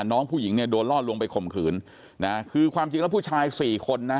น้องผู้หญิงเนี่ยโดนล่อลวงไปข่มขืนนะคือความจริงแล้วผู้ชายสี่คนนะ